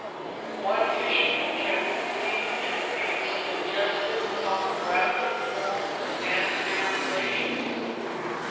What history can we read in these suggestive topographic forms and their relations